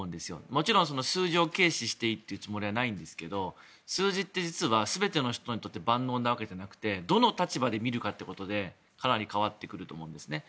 もちろん数字を軽視していいと言うつもりはないんですが数字って実は全ての人にとって万能なわけじゃなくてどの立場で見るかってことでかなり変わってくると思うんですね。